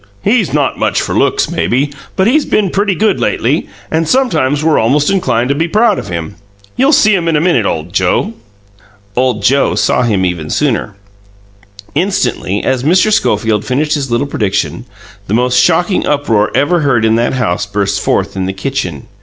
"He's not much for looks, maybe; but he's been pretty good lately, and sometimes we're almost inclined to be proud of him. You'll see him in a minute, old Joe!" Old Joe saw him even sooner. Instantly, as Mr. Schofield finished his little prediction, the most shocking uproar ever heard in that house burst forth in the kitchen.